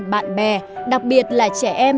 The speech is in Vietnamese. bạn bè đặc biệt là trẻ em